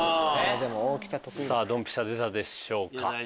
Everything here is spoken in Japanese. ドンピシャ出たでしょうか？